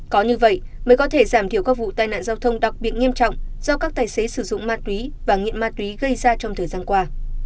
có như vậy mới có thể giảm thiểu các vụ tai nạn giao thông đặc biệt nghiêm trọng do các tài xế sử dụng ma túy và nghiện ma túy gây ra trong thời gian qua